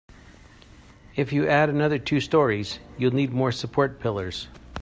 If you add another two storeys, you'll need more support pillars.